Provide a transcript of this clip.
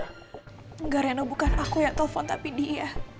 tidak reno bukan aku yang telpon tapi dia